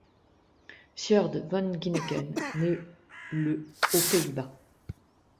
Sjoerd van Ginneken naît le aux Pays-Bas.